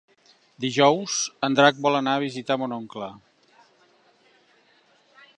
Dijous en Drac vol anar a visitar mon oncle.